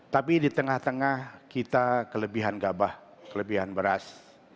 tapi di tengah tengah kita kelebihan gabah kelebihan beras